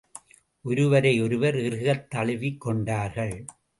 ஒருவரை ஒருவர் இறுகத் தழுவிக் கொண்டார்கள்.